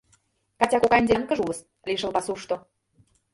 — Катя кокайын делянкыже улыс... лишыл пасушто...